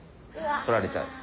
取られちゃう。